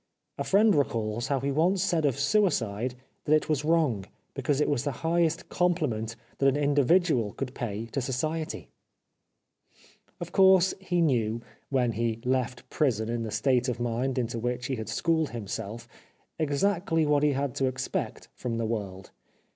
A friend recalls how he once said of suicide that it was wrong, because it was the highest compli ment that an individual could pay to society. Of course, he knew, when he left prison in the state of mind into which he had schooled him self, exactly what he had to expect from the world.